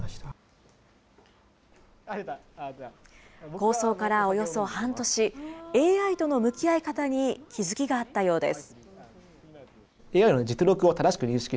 構想からおよそ半年、ＡＩとの向き合い方に気付きがあったようです。